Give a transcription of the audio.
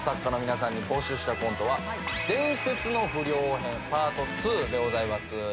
家の皆さんに募集したコントは「伝説の不良」編パート２でございます。